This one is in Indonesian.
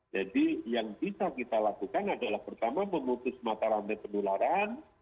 jadi yang bisa kita lakukan adalah pertama memutus mata rantai penularan